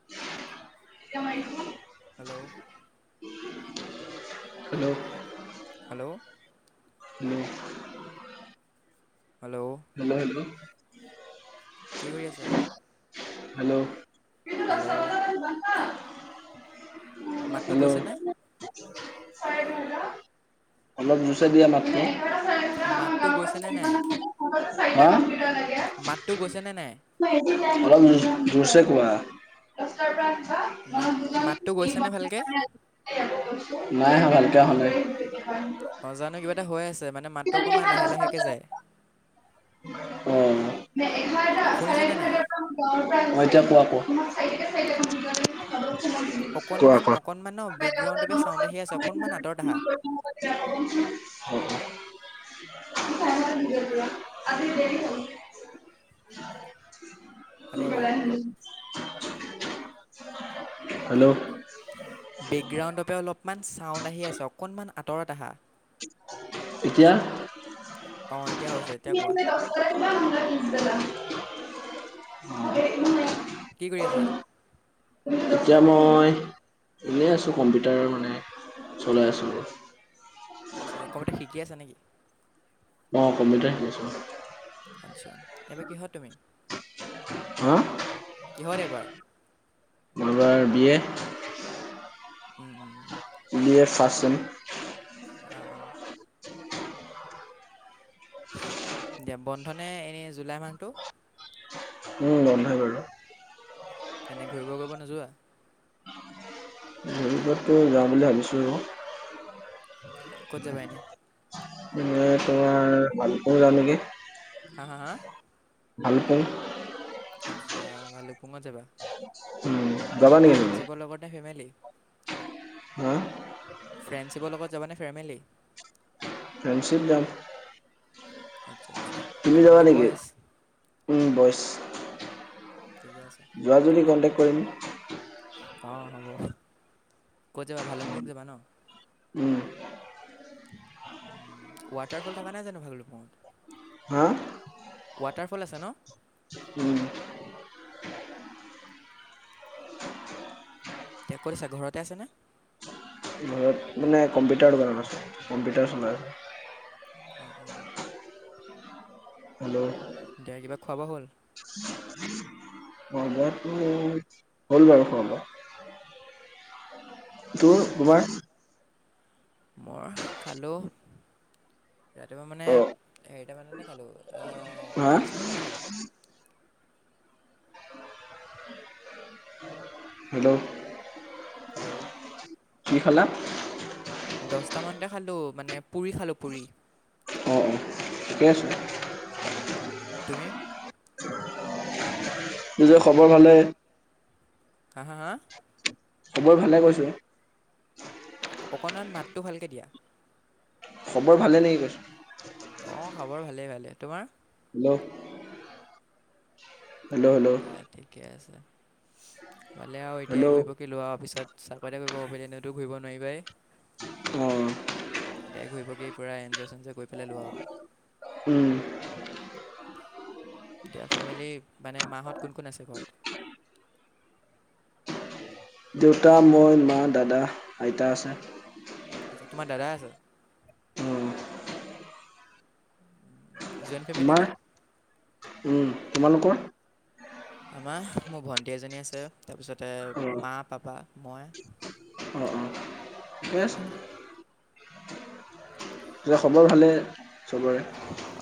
[unintelligible] Hello! Hello! Hello! Um. Hello! Hello! Hello! কি কৰি আছোঁ? হেলো! হেলো! মাতটো হেলো! গৈছেনে অলপ জোৰছে দিয়া মাতটো। [unintelligible] মাতটো গৈছেনে নাই হা? মাতটো গৈছেনে নাই অলপ জোৰ-জোৰছে কোৱা। ৰাস্তাৰ পৰা আনিছো। মাত-মাতটো গৈছেনে ভালকে? নাই ভালকে অহা নাই। অ জানো কিবা এটা হৈ আছে, মানে মাতটো অকণমান লাহে লাহেকে যায়। অ নে এঘাৰটা চাৰে শুনিছানে নাই এঘাৰটা অ এতিয়া কোৱা কোৱা [unintelligible] [unintelligible] অকণমান অকণমান ন বেকগ্ৰাউণ্ডৰ পৰা চাউণ্ড আহি আছে অকণমান আঁতৰত আহা কোৱা-কোৱা [unintelligible] [unintelligible] আজি দেৰি হ'ল হেল্ল' [unintelligible] হেল্ল। বেকগ্ৰাউণ্ডৰ পৰা অলপমান চাউণ্ড আহি আছে অকণমান আতৰত আহা। এতিয়া? অ, এতিয়া হৈছে এতিয়া তুমি কোৱা। [unintelligible] কি কৰি আছা? এতিয়া মই এনেই আছো কম্পিউটাৰ মানে চলাই আছো। আচ্ছা। কম্পিউাৰ শিকি আছা নে কি? অ, কম্পিউটাৰ শিকিছো। আচ্ছা। এইবাৰ কিহত তুমি হা? কিহত এইবাৰ? এইবাৰ বিএ। উম উম উম। BA first sem. অ অ। বন্ধনে এনেই জুলাই মাহটো? উম বন্ধই বাৰু। এনেই ঘূৰিব কৰিব নোযোৱা? টো যাওঁ বুলি ভাবিছো। ক'ত যাবা এনে এই তোমাৰ ভালুকপুং যাওঁ নিকি। হা হা হা? ভালুকপুং। আটচ্চা ভালুকপুঙত যাবা। উম যাবা নেকি তুমি ফ্ৰেণ্ডশ্বিপৰ লগত নে ফেমিলি? হা? ফ্ৰেণ্ডশ্বিপৰ লগত যাব নে ফেমিলি? ফ্ৰেণ্ডশিপ যাম। আচ্ছা আচ্ছা। তুমি যাবা অনলি নিকি? বইজ উম বইচ। ঠিকেই আছে। যোৱা যদি কণ্টেক কৰিম। অ, হ'ব। ক'ত যাবা ভালুকপুং যাবা ন? উম। ৱাটাৰফল থকা নাই জানো ভালুকপুঙত? হা? ৱাটাৰফল আছে ন? উম। এতিয়া ক'ত আছা ঘৰতে আছানে? ঘৰত নাই কম্পিউটাৰ দোকানত আছো কম্পিউটাৰ চলাই আছো। অ অ। হেল্ল। এতিয়া কিবা খোৱা-বোৱা হ'ল? খোৱা-বোৱাটো হ'ল বাৰু খোৱা-বোৱা। তোৰ তোমাৰ? মই খালো। ৰাতিপুৱা মানে অ হেৰিটা মানতে খালোঁ হা দহটামানতে খালোঁ। হেল্ল'। হেল্ল'। কি খালা? দহটামানতে খালো মানে পুৰি খালো পুৰি। অ', অ'। ঠিকে আছে তুমি? নিজৰ খবৰ ভালে। হা হা হা খবৰ ভালে কৈছোঁ। অকণমান মাতটো ভালকে দিয়া খবৰ ভালে নেকি কৈছোঁ অ খবৰ ভালেই ভালে তোমাৰ হেল্ল' হেল্লো হেল্লো দিয়া ঠিকে আছে ভালে আও হেল্ল' এতিয়াই ঘূৰিব লোৱাৰ পিছত চাকৰি তাকৰি কৰিব পাৰিলে এনেতো ঘূৰি নোৱাৰিবাই অ এতিয়াই ঘূৰি পকি পূৰা এঞ্জয় চেনজয় কৰি পেলাই লোৱা আও উম এতিয়া ফেমিলি মানে মাহঁত কোন কোন আছে ঘৰত দেউতা মই মা দাদা আইতা আছে আচ্ছা তোমাৰ দাদা আছে। অ', জইণ্ট ফেমিলি তোমাৰ নে উম তোমালোকৰ আমাৰ মোৰ ভণ্টি এজনী আছে তাৰপিছতে অ', মা পাপা মই অ অ ঠিকে আছে তেনেকেই [unintelligible] খবৰ ভালেই চবৰে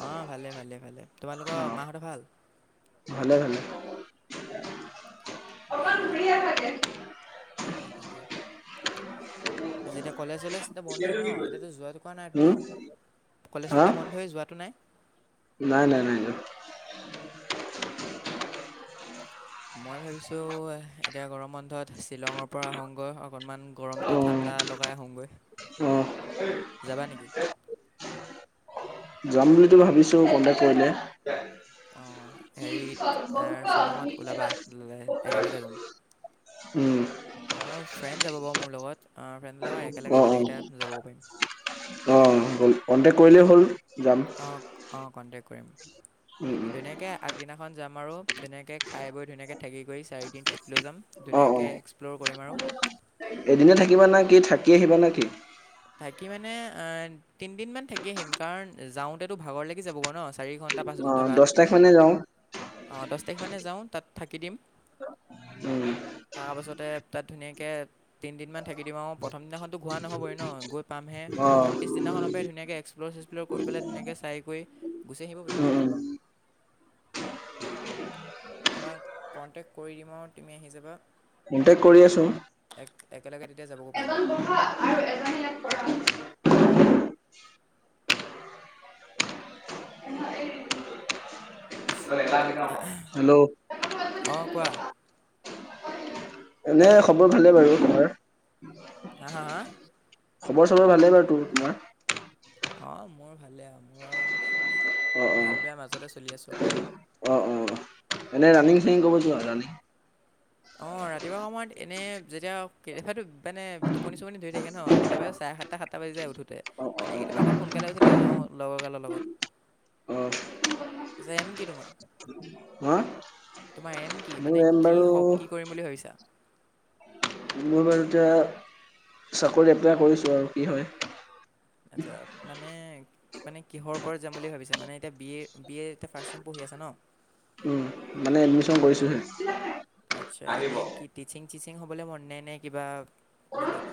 অ ভালে ভালে ভালে তোমালোকৰ মাহঁতৰ ভাল ভালেই ভালে দিয়া ঠিকেই ঠিকেই পিছে এতিয়া কলেজ চলেজ এতিয়া বন্ধ হয় ন এতিয়াতো যোৱাটো কোৱা নাই ত ন উম, কলেজটো হা এতিয়া বন্ধ হয় যোৱাটো নাই নাই নাই নাই নাই মই ভাবিছোঁ এতিয়া গৰম বন্ধত শ্বিলঙৰ পৰা আহংগৈ অকণমান গৰমটোত ঠাণ্ডা লগাই আহোঁংগৈ অহ যাম বুলিটো ভাবিছোঁ কনটেক্ট কৰিলে অঁ কি হেৰিত চব শ্বিলঙত ওলাবা [unintelligible] উম আমাৰো ফ্ৰেণ্ড যাব পাৰে মোৰ লগত ফ্ৰেণ্ডবিলাকৰ অ', একেলগে অ', গোটেইকেইটা যাব পাৰিম হ'ল কণ্টেক্ট কৰিলেই হ'ল যাম। অ অ কণ্টেক্ট কৰিম উম, উম, ধুনীয়াকে আগদিনাখন যাম আৰু, ধুনীয়াকে খাই বৈ ধুনীয়াকৈ ঠাকি কৰি চাৰিদিন ট্ৰিপ লৈ যাম অ', অ', ধুনীয়াকে এক্সপ্ল'ৰ কৰিম আৰু। এদিনে থাকিবা না কি, থাকি আহিবা না কি? থাকি মানে আ, তিনিদিন মান থাকি আহিম, কাৰণ যাওঁতেতো ভাগৰ লাগি যাবগে ন? চাৰি ঘণ্টা পাঁচ ঘণ্টা অ', বাট, দহ তাৰিখ মানে যাওঁ, অ', দহ তাৰিখ মানে যাওঁ তাত থাকি দিম। উম। তাৰপাছতে তাত ধুনীয়াকে তিনদিনমান থাকি দিম আৰু, প্ৰথম দিনাখনতো ঘুৰা নহ'বৱে ন, গৈ পামহে, অ', তাৰ পিছদিনাখনৰ পৰাই ধুনাকৈ এক্সপ্ল'ৰ-চেক্সপ্ল'ৰ কৰি পেলাই ধুনীয়াকৈ চাই কৰি গুচি আহিব পাৰিম। উম, উম। তোমাক কণ্টেক্ট কৰি দিম আৰু তুমি আহি যাবা। কণ্টেক্ট কৰি আছোঁ। এক, একেলগে তেতিয়া যাবও পাৰিম। এজন বহা আৰু এজনে ইয়াক পঢ়া। [unintelligible] হেল্ল'? অ', কোৱা। এনে খবৰ ভালে বাৰু, তোমাৰ? হা, হা, হা? খবৰ চবৰ ভালেই বাৰু তোৰ-তোমাৰ? অ', মোৰ ভালেই আৰু, মোৰ আৰু, ভাল বেয়া মাজতে চলি আছোঁ। অ'-অ'-অ' এনে ৰানিং চানিং কৰিব যোৱা, ৰানিং? অ', ৰাতিপুৱা সময়ত এনেই যেতিয়া, কেতিয়াবাটো মানে টোপনি-চোপনি ধৰি থাকে ন কেতিয়াবা চাৰে সাত সাতটা বাজি যাই উঠোতে, অ', অ', এনে অ', কেতিয়াবা অ'। অকণ শুন কালে উঠিলে যাওঁ লগৰ কালৰ লগত, অ', তাৰপিছত এম কি তোমাৰ? হা তোমাৰ এম কি, মোৰ মানে এম কি বাৰু হওক কি কৰিম বুলি ভাবিছা? মই বাৰু এতিয়া চাকৰি এপ্লাই কৰিছোঁ আৰু কি হয়। আচ্ছা, মানে মানে কিহৰওপৰত যাম বুলি ভাবিছা? মানে এতিয়া বি এ, বি এ এতিয়া ফাৰ্ষ্ট চেম পঢ়ি আছা ন? উম, মানে এডমিচন কৰিছোঁ‌ যে। আহিব। টিচিং-চিচিং হ'বলৈ মন, নে-নে কিবা বেলেগ?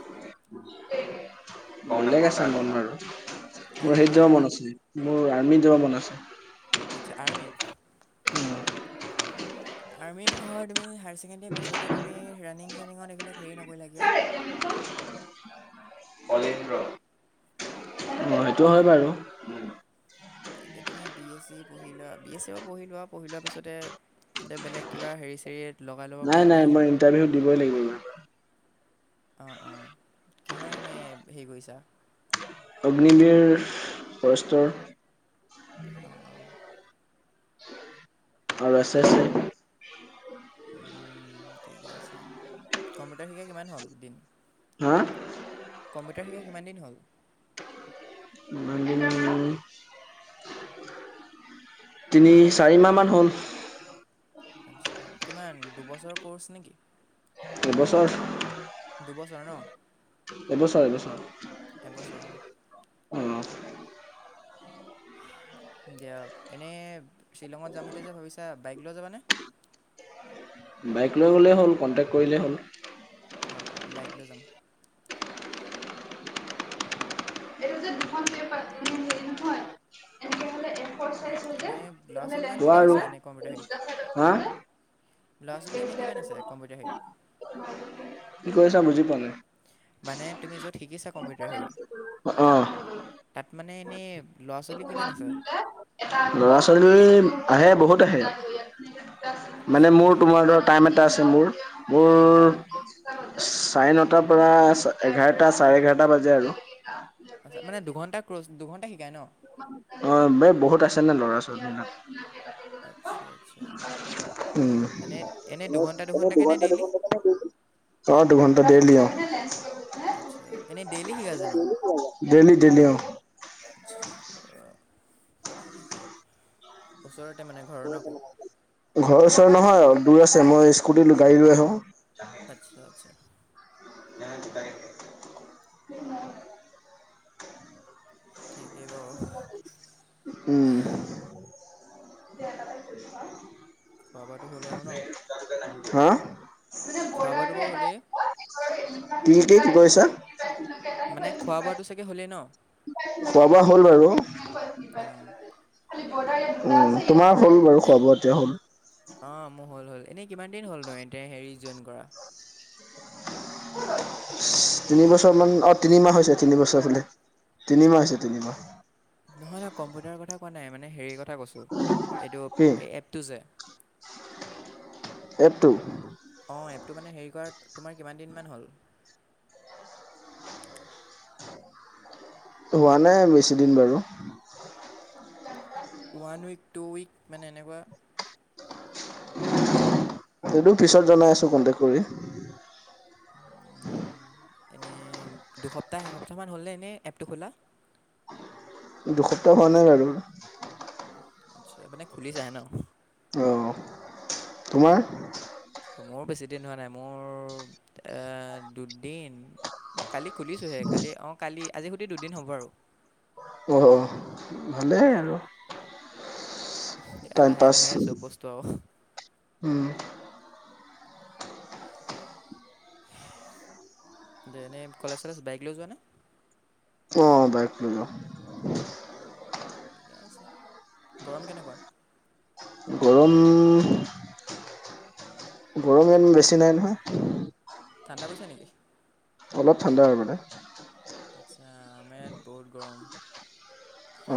[unintelligible] মোৰ হেইত যাব মন আছে। হা হা হা মোৰ আৰ্মিত যাব মন আছে। আচ্ছা, আৰ্মিত? [inaudible] আৰ্মিত হয়, তুমি হায়াৰ ছেকেণ্ডেৰীৰ পিছতে তুমি ৰানিং-চানিঙৰ এইবিলাক হেৰি নকৰিলা কিয়? কলেন্দ্ৰ। অ', সেইটো হয় বাৰু। উম। তেন্তে তুমি বি এছ চি পঢ়ি লোৱা, বি এ চি এও পঢ়ি লোৱা, পঢ়ি লোৱাৰ পিছতে তেন্তে বেলেগ কিবা হেৰি-চেৰিত লগাই ল'ব নাই পাৰিলে নাই হৈ মই যাব। ইণ্টাৰভিউ দিবই লাগিব এইবাৰ। অ'-অ' কিহৰ এনেই হেৰি কৰিছা? অগ্নিবীৰ, ফৰেষ্টৰ। অ'-অ'। আৰু এছ এছ এফ। উম, ঠিকে আছে, কম্পিউটাৰ শিকা কিমান হ'ল দিন? হা? কম্পিউটাৰ শিকা কিমানদিন হ'ল? ইমান দিন তিনি চাৰিমাহ মান হ'ল। আচ্ছা, কিমান দুবছৰ ক'ৰ্চ নেকি? এবছৰ। দুবছৰ ন? এবছৰ এবছৰ। এবছৰ অঁ। উম। দিয়া, এনেই শ্বিলঙত যাম বুলি যে ভাবিছা বাইক লৈ যাবানে? বাইক লৈ গ'লে হ'ল, কণ্টেক্ট কৰিলে হ'ল। অঁ অঁ বাইক লৈ যাম। [unintelligible] এনেকে হ'লে এ ফৰ চাইজ হয় যে এনে লৰা তেতিয়াহ'লে ছোৱালী ইমান কিমান আছে এনেই কম্পিউটাৰ হেৰিত? হাঁ? ল'ৰা ছোৱালী এনেই কিমান আছে কম্পিউটাৰ বনাব হেৰিত? [inaudible] কি কৈছা বুজি পোৱা নাই? মানে তুমি য'ত শিকিছা কম্পিউটাৰ হেৰি অঁ। তাত মানে এনেই ল'ৰা ছোৱালী এইটো কিমান আছে? ওৱান লৰা ছোৱালী আহে বহুত আহে। মানে আচ্ছা মোৰ, তোমাৰ ধৰা টাইম এটা আছে মোৰ, মোৰ অঁ অঁ চাৰে নতাৰ পৰা এঘাৰটা চাৰে এঘাৰটা বাজে আৰু। [inaudible] আচ্ছ মানে দুঘণ্টা ক্ৰ'জ দুঘণ্টা শিকায় ন? অ বে বহুত আছে নে ল'ৰা ছোৱালী বিলাক। আচ্ছা আচ্ছা। উম, এনেই এনেই এনে দুঘণ্টা এনেই দুঘণ্টাকৈ নে দুঘণ্টা ডেইলি দুঘণ্টা [inaudible] অঁ' দুঘণ্টা ডেইলী অঁ। আচ্ছা এনেই ডেইলি শিকাই জানো? ডেলি ডেলি অঁ। ওচৰতে মানে ঘৰ ঘৰ ওচৰ নহয়, দূৰ আছে মই স্কুটি গাড়ী লৈ আহো। আচ্ছা আচ্ছা। [inaudible] ঠিকেই বাৰু। উম। খোৱা বোৱাটো হ'লেই আৰু ন হা? [inaudible] খোৱা বোৱাটো বাৰু হ'লেই দুটটিত গৈছা? মানে খোৱা বোৱাটো চাগে হ'লেই ন? খোৱা বোৱা হ'ল বাৰু। অঁ। উম, তোমাৰ হ'ল বাৰু কি খোৱা বোৱা এতিয়া হ'ল। অঁ মোৰ হ'ল হ'ল। এনেই কিমান দিন হ'ল তোমাৰ এতিয়া হেৰি জইন কৰা? তিনি বছৰ মানত তিনিমাহ হৈছে, তিনি বছৰ বোলে। তিনিমাহ হৈছে তিনিমাহ। নহয়, নহয় কম্পিউটাৰ কথা কোৱা নাই মানে হেৰি কথা কৈছো। কি, এইটো অ' এপটো মানে হেৰি কৰা, তোমাৰ কিমান দিনমান হ'ল? ত' হোৱা নাই বেছিদিন বাৰু। ওৱান উইক, টু উইক মানে এনেকুৱা সেইটো পিছত জনাই আছো, কণ্টেক্ট কৰি। অ', এনে দুসপ্তাহ এসপ্তাহ মান হ'লনে এনে এপটো খোলা? দুসপ্তাহ হোৱা নাই বাৰু। আচ্ছা, মানে খুলিছাহে ন। অ', অ' তোমাৰ? অ' মোৰ বেছি দিন হোৱা নাই, মোৰ এ দুদিন মই কালি খুলিছোঁহে, কালি অ' কালি আজি সতি দুদিন হ'ব আৰু। অ' হ, ভালেই আৰু। ই টাইম লাহে, পাছ লাহে চব বস্তু আৰু। উম। দে এনেই, কলেজ-চলেজ বাইক লৈ যোৱানে? অ', অ' বাইক লৈ যাওঁ। ঠিকেই আছে, গৰম কেনেকুৱা? গৰম উম। গৰম ইয়াত, বেছি নাই নহয়। ঠাণ্ডা পৰিছে নেকি? অলপ ঠাণ্ডা হয় মানে। আচ্ছা, আমাৰ ইয়াত বহুত গৰম। অ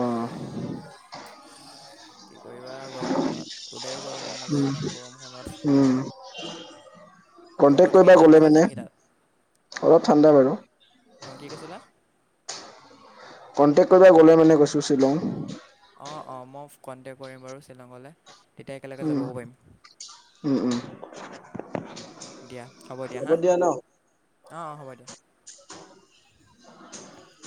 কি কৰিবা আৰু গৰমখনত, ওলাইও যাব মন উম নাযায় ইমান গৰমখনত। উম। কণ্টেক্ট বতৰটো কি কৰিব ঠাণ্ডা গ'লে হৈছে মানে, নেকি তাত অলপ ঠাণ্ডা বাৰু। অ', কি কৈছিলা? কণ্টেক্ট কৰিব গ'লে মানে কৈছোঁ শ্বিলং। অ', অ', মই কণ্টেক্ট কৰিম বাৰু শ্বিলঙ গ'লে, এতিয়া একেলগে উম, যাবগৈ পাৰিম। উম, উম। দিয়া হ'ব দিয়া হা। অ', অ' হ'ব দিয়া। [unintelligible]